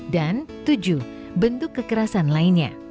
dan tujuh bentuk kekerasan lainnya